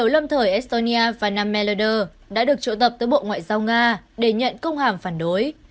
lâm thời estonia và nam melder đã được triệu tập tới bộ ngoại giao nga để nhận công hàm phản đối